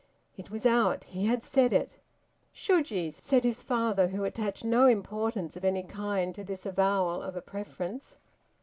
It was out. He had said it. "Should ye?" said his father, who attached no importance of any kind to this avowal of a preference.